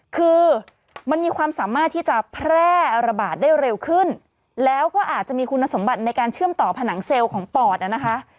คือมันมีความสามารถที่จะแพร่ระบาดได้เร็วขึ้นแล้วก็อาจจะมีคุณสมบัติในการเชื่อมต่อผนังเซลล์ของปอดนะคะ